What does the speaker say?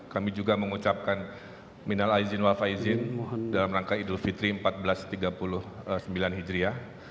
kami juga mengucapkan minal aizin wal faizin dalam rangka idul fitri seribu empat ratus tiga puluh sembilan hijriah